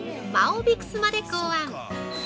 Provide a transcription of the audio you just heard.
「マオビクス」まで考案。